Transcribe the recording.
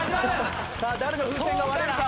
さあ誰の風船が割れるか？